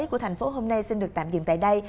của thành phố hôm nay xin được tạm dừng tại đây